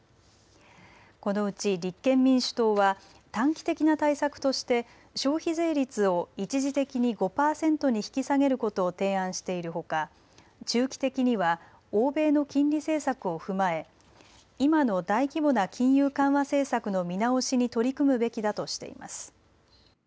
この内立憲民主党は短期的な対策として消費税率を一時的に５％に引き下げることを提案しているほか、中期的には欧米の金利政策を踏まえ今の大規模な金融緩和政策の見直しに取り組むべきだとしています。